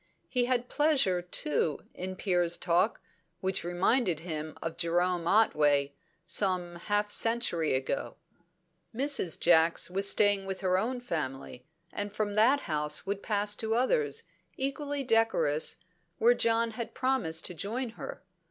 He had pleasure, too, in Piers' talk, which reminded him of Jerome Otway, some half century ago. Mrs. Jacks was staying with her own family, and from that house would pass to others, equally decorous, where John had promised to join her.